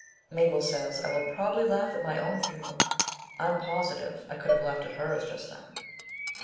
(Mabel says I will probably laugh at my own funeral; I'm positive I could have laughed at hers just then.)